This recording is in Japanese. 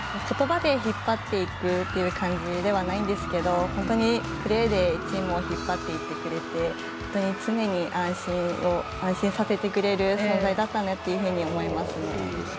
ことばで引っ張っていくという感じではないんですけど本当にプレーでチームを引っ張っていってくれて常に安心させてくれる存在だったなというふうに思いますね。